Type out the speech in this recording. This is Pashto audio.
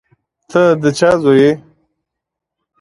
ته د چا زوی یې؟